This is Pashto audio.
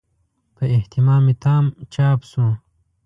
په اهتمام تام چاپ شو.